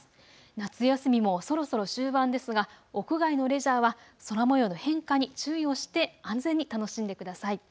夏休みもそろそろ終盤ですが屋外のレジャーは空もようの変化に注意をして安全に楽しんでください。